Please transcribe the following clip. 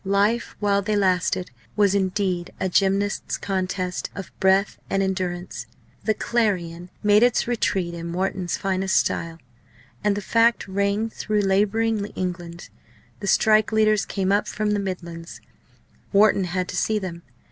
Life while they lasted was indeed a gymnast's contest of breath and endurance. The Clarion made its retreat in Wharton's finest style, and the fact rang through labouring England. The strike leaders came up from the Midlands; Wharton had to see them.